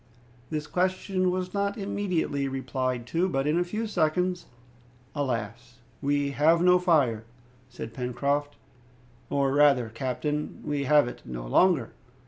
This question was not immediately replied to. But, in a few seconds "Alas! we have no fire," said Pencroft, "or rather, captain, we have it no longer!"